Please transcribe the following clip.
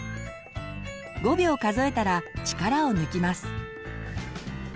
５秒数えたら力を抜きます。